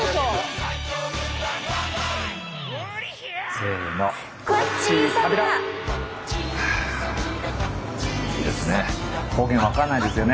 せのいいですね。